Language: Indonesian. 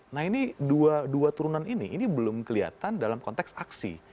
nah ini dua turunan ini ini belum kelihatan dalam konteks aksi